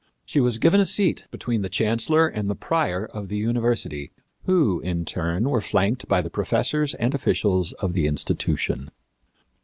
She was given a seat between the chancellor and the prior of the university, who, in turn, were flanked by the professors and officials of the institution.